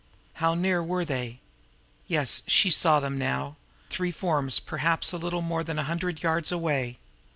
How near were they? Yes, she saw them now three forms perhaps a little more than a hundred yards away.